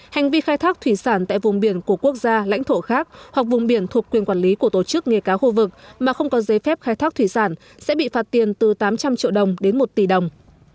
hành vi khai thác thủy sản tại vùng biển của quốc gia lãnh thổ khác hoặc vùng biển thuộc quyền quản lý của tổ chức nghề cá khu vực mà không có giấy phép khai thác thủy sản sẽ bị phạt tiền từ tám trăm linh triệu đồng đến một tỷ đồng